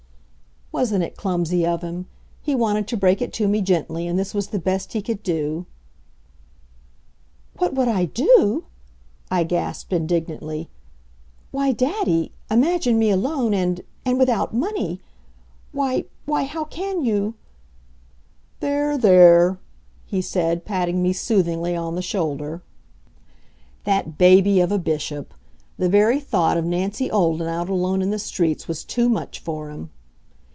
Wasn't it clumsy of him? He wanted to break it to me gently, and this was the best he could do. "What would I do?" I gasped indignantly. "Why, daddy, imagine me alone, and and without money! Why why, how can you " "There! there!" he said, patting me soothingly on the shoulder. That baby of a Bishop! The very thought of Nancy Olden out alone in the streets was too much for him.